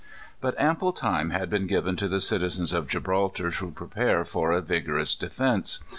But ample time had been given to the citizens of Gibraltar to prepare for a vigorous defence.